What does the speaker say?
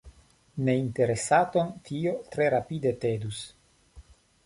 Neinteresaton tio tre rapide tedus.